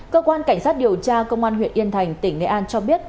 cơ quan cảnh sát điều tra công an huyện yên thành tỉnh nghệ an cho biết